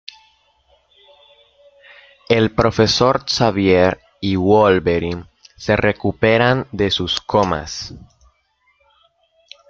El Profesor Xavier y Wolverine se recuperan de sus comas.